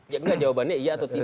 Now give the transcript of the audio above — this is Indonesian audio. ya enggak jawabannya iya atau tidak